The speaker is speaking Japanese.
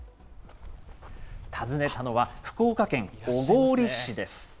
訪ねたのは福岡県小郡市です。